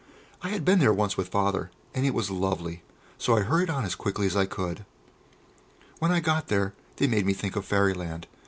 I had been there once with Father, and it was lovely; so I hurried on as quickly as I could. When I got there they made me think of Fairyland.